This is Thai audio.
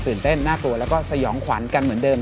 เต้นน่ากลัวแล้วก็สยองขวัญกันเหมือนเดิม